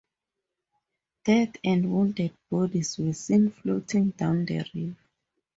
Dead and wounded bodies were seen floating down the river.